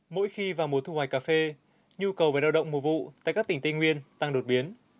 mỗi khi vào mùa thu hoạch cà phê nhu cầu về lao động mùa vụ tại các tỉnh tây nguyên tăng đột biến